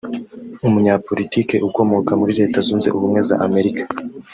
umunyapolitiki ukomoka muri Leta Zunze Ubumwe z’Amerika